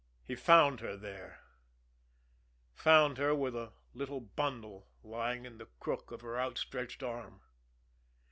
He found her there found her with a little bundle lying in the crook of her outstretched arm.